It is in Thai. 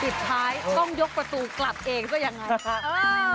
สิทธิ์ท้ายต้องยกประตูกลับเองก็ยังไง